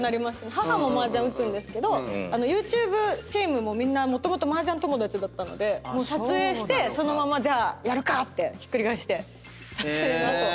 母も麻雀打つんですけどＹｏｕＴｕｂｅチームもみんなもともと麻雀友達だったので撮影してそのままじゃあやるかってひっくり返して撮影の後。